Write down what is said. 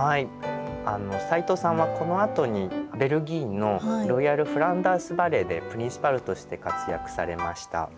齊藤さんはこのあとにベルギーのロイヤル・フランダース・バレエでプリンシパルとして活躍されました。